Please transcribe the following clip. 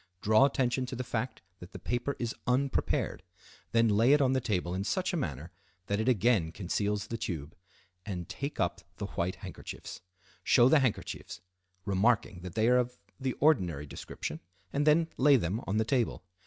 Draw attention to the fact that the paper is unprepared, then lay it on the table in such a manner that it again conceals the tube, and take up the white handkerchiefs. Show the handkerchiefs, remarking that they are of the ordinary description, and then lay them on the table.